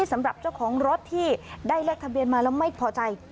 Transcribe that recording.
สำหรับเจ้าของรถที่ได้เลขทะเบียนมาแล้วไม่พอใจ